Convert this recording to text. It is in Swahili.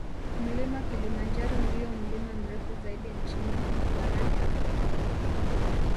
Mlima Kilimanjaro ndiyo mlima mrefu zaidi nchini na barani Afrika